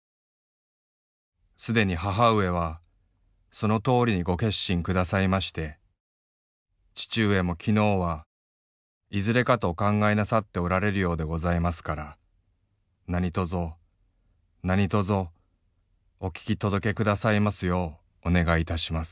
既に母上はそのとおりに御決心下さいまして父上も昨日はいずれかと御考えなさっておられるようでございますから何卒何卒御聞き届け下さいますようお願いいたします」。